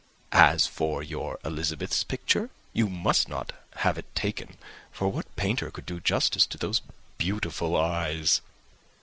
As for your Elizabeth's picture, you must not attempt to have it taken, for what painter could do justice to those beautiful eyes?"